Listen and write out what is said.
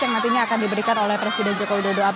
yang nantinya akan diberikan oleh presiden joko widodo